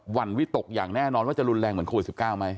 วันวิตกอย่างแน่นอนว่าจะรุนแรงเหมือนโควิด๑๙ไหม